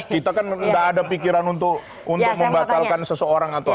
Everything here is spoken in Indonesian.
kita kan tidak ada pikiran untuk membatalkan seseorang atau apa